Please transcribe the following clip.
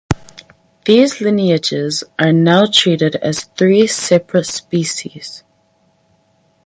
These lineages are now treated as three separate species.